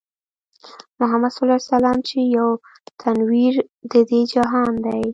محمدص چې يو تنوير د دې جهان دی